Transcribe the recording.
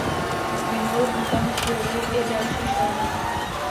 Mimo lvů tam žily i další šelmy.